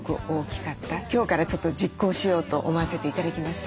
今日からちょっと実行しようと思わせて頂きました。